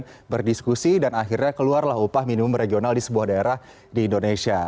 kemudian berdiskusi dan akhirnya keluarlah upah minimum regional di sebuah daerah di indonesia